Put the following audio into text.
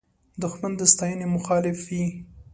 دښمن د ستاینې مخالف وي